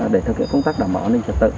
để thực hiện công tác đảm bảo an ninh trật tự